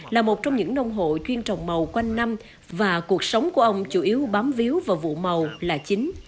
là một trong những nông hộ chuyên trồng màu quanh năm và cuộc sống của ông chủ yếu bám víu vào vụ màu là chính